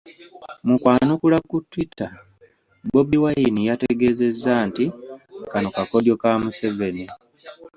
Mu kwanukula ku Twitter, Bobi Wine yategeezezza nti kano kakodyo ka Museveni